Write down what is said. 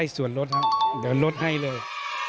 ส่วนรถครับเดี๋ยวลดให้เลย